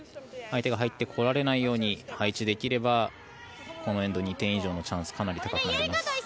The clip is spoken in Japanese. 相手が入ってこられないように配置できればこのエンド２点以上のチャンスかなり高くなります。